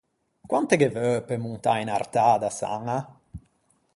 Quante ghe veu pe montâ in Artâ da Saña?